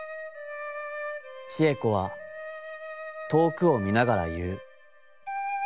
智恵子は遠くを見ながら言ふ。